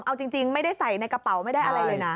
เอาจริงไม่ได้ใส่ในกระเป๋าไม่ได้อะไรเลยนะ